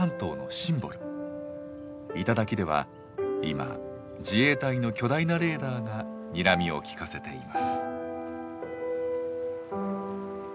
頂では今自衛隊の巨大なレーダーがにらみを利かせています。